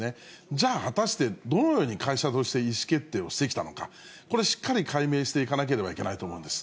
じゃあ、果たしてどのように会社として意思決定をしてきたのか、これ、しっかり解明していかなければいけないと思うんです。